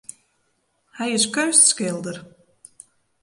Hy is keunstskilder.